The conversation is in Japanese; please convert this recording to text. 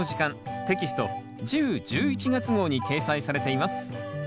テキスト１０・１１月号に掲載されています。